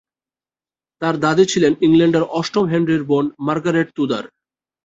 তার দাদী ছিলেন ইংল্যান্ডের অষ্টম হেনরির বোন মার্গারেট তুদর।